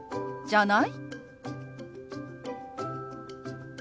「じゃない？」。